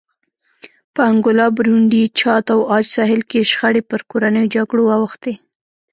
په انګولا، برونډي، چاد او عاج ساحل کې شخړې پر کورنیو جګړو واوښتې.